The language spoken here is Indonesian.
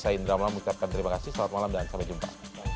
saya indra om lam mengucapkan terima kasih selamat malam dan sampai jumpa